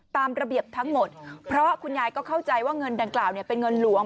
ตามระเบียบทั้งหมดเพราะคุณยายก็เข้าใจว่าเงินดังกล่าวเป็นเงินหลวง